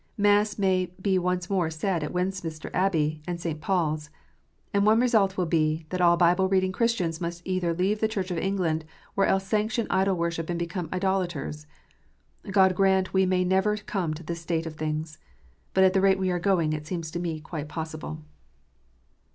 Mass may be once more said at Westminster Abbey and St. Paul s. And one result will be, that all Bible reading Christians must either leave the Church of England, or else sanction idol worship and become idolaters ! God grant we may never come to this state of things ! But at the rate we are going, it seems to me quite possible.